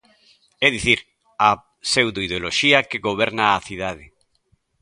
É dicir, a pseudoideoloxía que goberna a cidade.